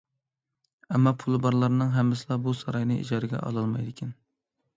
ئەمما پۇلى بارلارنىڭ ھەممىسىلا بۇ ساراينى ئىجارىگە ئالالمايدىكەن.